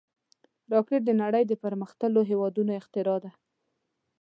راکټ د نړۍ د پرمختللو هېوادونو اختراع ده